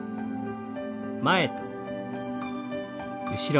前と後ろに。